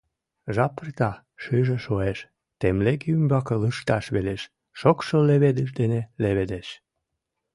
Жап эрта, шыже шуэш, тумлеге ӱмбаке лышташ велеш, шокшо леведыш дене леведеш.